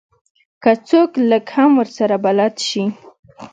که څوک لږ هم ورسره بلد شي.